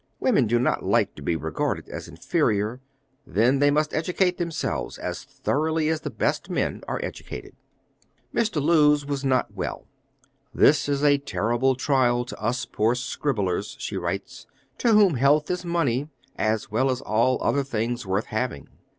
Women do not like to be regarded as inferior; then they must educate themselves as thoroughly as the best men are educated. Mr. Lewes was not well. "This is a terrible trial to us poor scribblers," she writes, "to whom health is money, as well as all other things worth having."